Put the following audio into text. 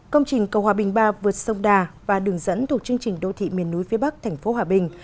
công trình cầu hòa bình ba vượt sông đà và đường dẫn thuộc chương trình đô thị miền núi phía bắc tp hòa bình